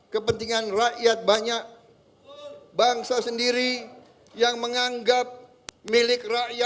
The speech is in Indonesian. kesedihan saya yang sesungguhnya